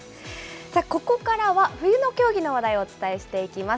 ここからは、冬の競技の話題をお伝えしていきます。